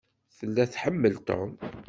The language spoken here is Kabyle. Tella tḥemmel Tom.